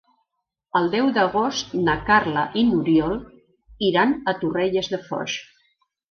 El deu d'agost na Carla i n'Oriol iran a Torrelles de Foix.